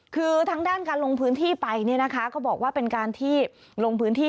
คือทั้งด้านการลงพื้นที่ไปก็บอกว่าเป็นการที่ลงพื้นที่